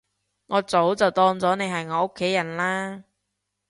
我早就當咗你係我屋企人喇